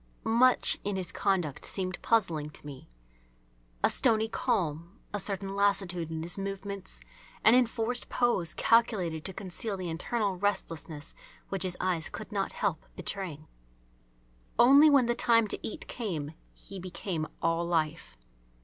Much in his conduct seemed puzzling to me. A stony calm, a certain lassitude in his movements, an enforced pose calculated to conceal the internal restlessness which his eyes could not help betraying. Only when the time to eat came he became all life.